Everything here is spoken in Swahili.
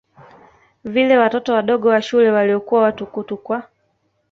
vile watoto wadogo wa shule waliokuwa watukutu kwa